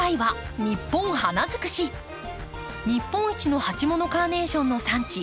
日本一の鉢物カーネーションの産地